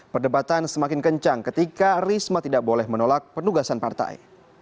perdebatan semakin kencang ketika risma tidak boleh menolak penugasan partai